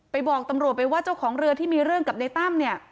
บอกตำรวจไปว่าเจ้าของเรือที่มีเรื่องกับในตั้มเนี่ย